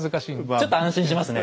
ちょっと安心しますね。